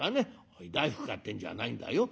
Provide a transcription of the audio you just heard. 「おい大福買ってんじゃないんだよ。